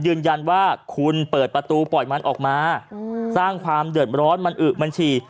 ยืนยันว่าคุณเปิดประตูปล่อยมันออกมาสร้างความเดือดร้อนมันอึมันฉี่